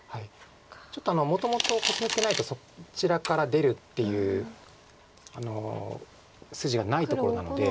ちょっともともとコスミツケないとそちらから出るっていう筋がないところなので。